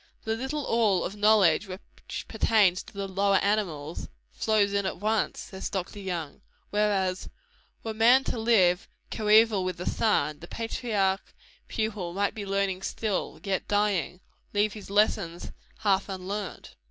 The little all of knowledge which pertains to the lower animals, "flows in at once," says Dr. Young; whereas, "were man to live coeval with the sun, the patriarch pupil might be learning still, yet dying, leave his lessons half unlearnt."